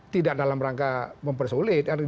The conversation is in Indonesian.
tidak dalam rangka mempersulit